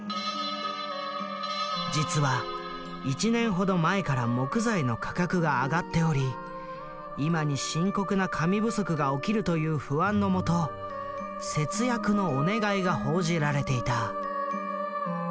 実は１年ほど前から木材の価格が上がっており今に深刻な紙不足が起きるという不安のもと節約のお願いが報じられていた。